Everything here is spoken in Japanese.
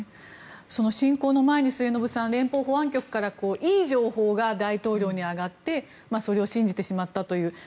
その侵攻の前に末延さん連邦保安局からいい情報が大統領に上がってそれを信じてしまったという。